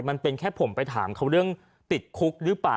มันเป็นแค่ผมไปถามเขาเรื่องติดคุกหรือเปล่า